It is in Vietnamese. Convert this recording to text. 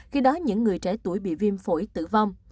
khi đó những người trẻ tuổi bị viêm phổi tử vong